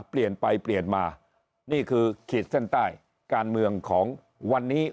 เปลี่ยนไปเปลี่ยนมานี่คือขีดเส้นใต้การเมืองของวันนี้